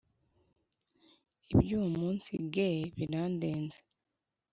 Ibyuwo munsi ge birandenze